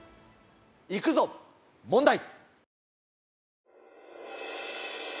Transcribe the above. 行くぞ問題！